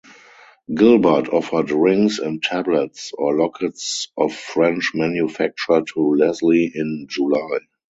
Gilbert offered rings and "tablets" or lockets of French manufacture to Lesley in July.